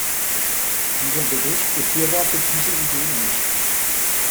Dieser Bericht befürwortet diese Idee nicht.